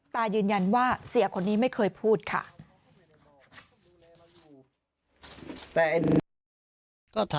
ตายืนยันว่าเสียคนนี้ไม่เคยพูดค่ะ